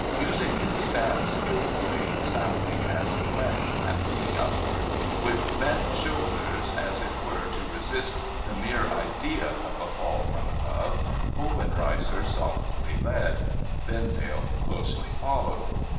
Using his staff skilfully, sounding as he went, and looking upward, with bent shoulders, as it were to resist the mere idea of a fall from above, Obenreizer softly led. Vendale closely followed.